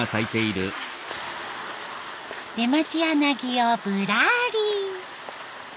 出町柳をぶらり。